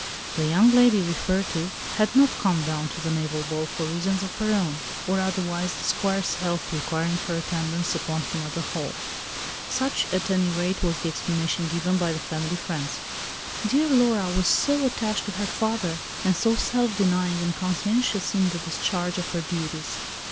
The young lady referred to had not come down to the naval ball for reasons of her own, or otherwise, the Squire's health requiring her attendance upon him at the Hall. Such, at any rate, was the explanation given by the family friends:—"Dear Laura was so attached to her father, and so self denying and conscientious in the discharge of her duties."